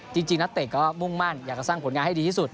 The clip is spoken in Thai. จริงนักเตะก็มุ่งมั่นอยากจะสร้างผลงานให้ดีที่สุด